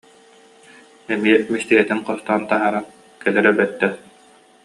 Эмиэ бэстилиэтин хостоон таһааран: «Кэл эрэ, бэттэх